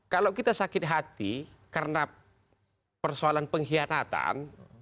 kalau kita sakit hati karena persoalan pengkhianatan